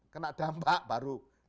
kena dampak baru